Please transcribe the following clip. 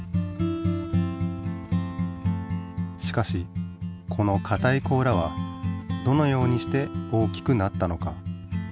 しかしこのかたい甲羅はどのようにして大きくなったのか？